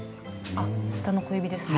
あっ下の小指ですね。